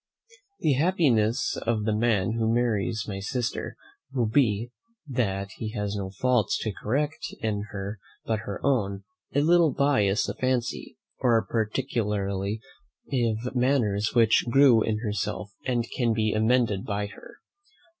The happiness of the man who marries my sister will be, that he has no faults to correct in her but her own, a little bias of fancy, or particularity of manners which grew in herself, and can be amended by her.